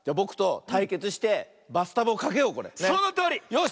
よし！